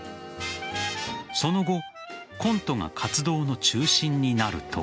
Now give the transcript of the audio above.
その後コントが活動の中心になると。